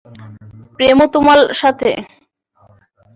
প্রেমও তোমার সাথে?